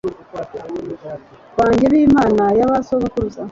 banjye b imana ya ba sogokuruza